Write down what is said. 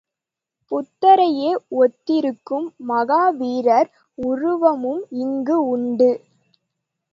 புத்தரையே ஒத்திருக்கும் மகாவீரர் உருவமும் இங்கு உண்டு.